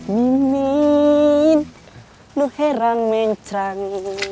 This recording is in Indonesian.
mimin lu heran menceng